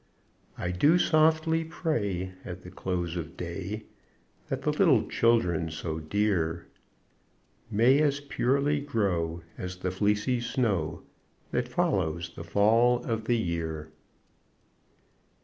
I do softly pray At the close of day, That the little children, so dear, May as purely grow As the fleecy snow That follows the Fall of the year.